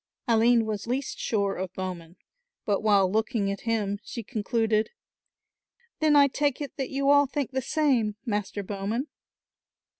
Aline was least sure of Bowman, but while looking at him she concluded; "Then I take it that you all think the same, Master Bowman."